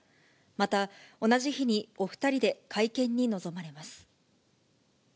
また同じ日に、お２人で会見に臨まれます。